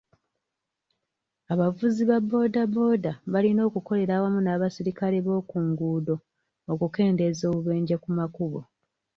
Abavuzi ba booda booda balina okukolera awamu n'abaserikale b'okunguuddo okukendeeza obubenje ku makubo.